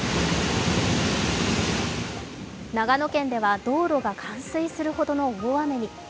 長野県では道路が冠水するほどの大雨に。